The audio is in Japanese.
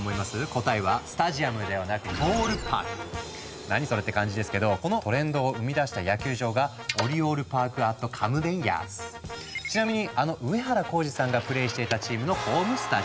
答えは「スタジアム」ではなく何それって感じですけどこのトレンドを生み出した野球場がちなみにあの上原浩治さんがプレーしていたチームのホームスタジアム。